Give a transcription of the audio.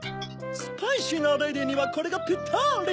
スパイシーなレディーにはこれがピッタリ！